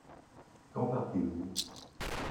Quand partez-vous ?